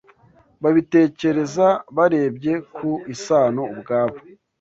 babitekereza barebye ku isano ubwabo